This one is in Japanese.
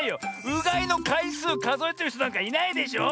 うがいのかいすうかぞえてるひとなんかいないでしょ。